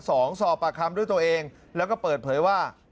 สอบปากคำด้วยตัวเองแล้วก็เปิดเผยว่า